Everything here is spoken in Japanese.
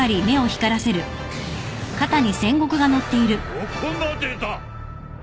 ここまでだ！